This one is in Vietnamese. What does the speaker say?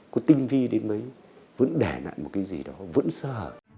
có tinh vi đến mấy vẫn để lại một cái gì đó vẫn sợ